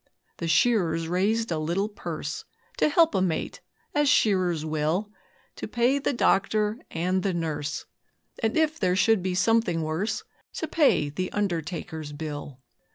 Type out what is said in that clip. The shearers raised a little purse To help a mate, as shearers will, 'To pay the doctor and the nurse, And if there should be something worse To pay the undertaker's bill.'